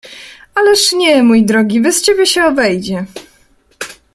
"Ależ nie, mój drogi, bez ciebie się obejdzie."